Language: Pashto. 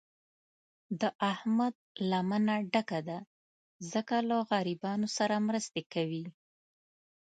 د احمد لمنه ډکه ده، ځکه له غریبانو سره مرستې کوي.